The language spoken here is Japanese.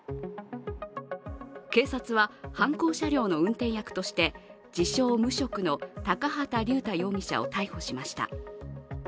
警察は犯行車両の運転役として自称・無職の高畑竜太容疑者を逮捕しました。